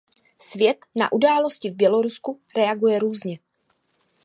Svět na události v Bělorusku reaguje různě.